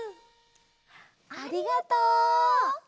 ありがとう！